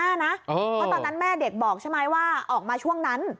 เพราะตอนนั้นแม่เด็กบอกใช่ไหมว่าออกมาช่วงนั้น